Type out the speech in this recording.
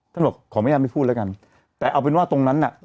บอกขออนุญาตไม่พูดแล้วกันแต่เอาเป็นว่าตรงนั้นน่ะ